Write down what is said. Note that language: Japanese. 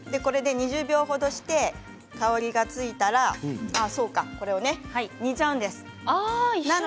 ２０秒ほどして香りがついたらそうか、煮ちゃうんです。